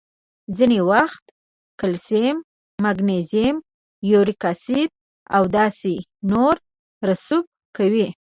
ځینې وخت کلسیم، مګنیزیم، یوریک اسید او داسې نور رسوب کوي.